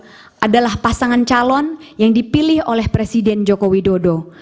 yang kedua adalah pasangan calon yang dipilih oleh presiden joko widodo